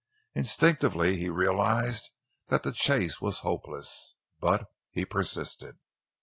Instinctively he realized that the chase was hopeless, but he persisted.